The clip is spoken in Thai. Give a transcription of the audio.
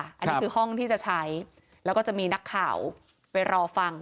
อันนี้คือห้องที่จะใช้แล้วก็จะมีนักข่าวไปรอฟัง